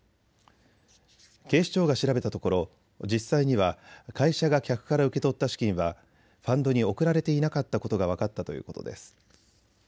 警視庁が調べたところ実際には会社が客から受け取った資金はファンドに送られていなかったことが分かったということです。